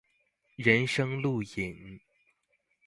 人生路引